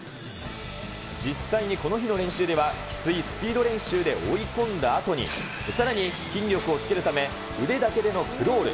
実際にこの日の練習では、きついスピード練習で追い込んだあとに、さらに筋力をつけるため、腕だけでのクロール。